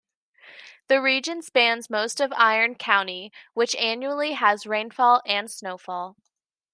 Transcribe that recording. The region spans most of Iron County, which annually has rainfall and snowfall.